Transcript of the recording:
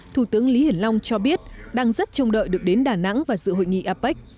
thủ tướng lý hiển long cho biết đang rất trông đợi được đến đà nẵng và dự hội nghị apec